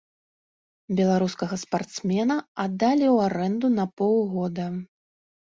Беларускага спартсмена аддалі ў арэнду на паўгода.